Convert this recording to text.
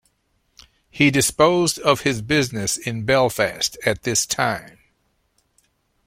He disposed of his business in Belfast at this time.